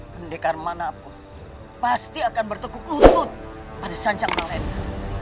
pendekar manapun pasti akan bertukuk lutut pada sanjang nelendra